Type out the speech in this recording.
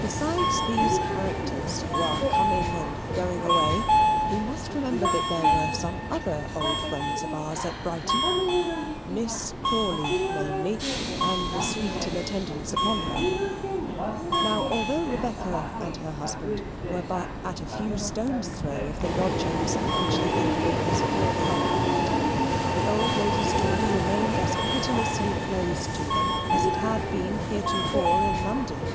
Besides these characters who are coming and going away, we must remember that there were some other old friends of ours at Brighton; Miss Crawley, namely, and the suite in attendance upon her. Now, although Rebecca and her husband were but at a few stones' throw of the lodgings which the invalid Miss Crawley occupied, the old lady's door remained as pitilessly closed to them as it had been heretofore in London.